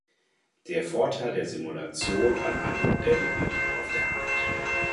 Der Vorteil der Simulation an einem Modell liegt auf der Hand.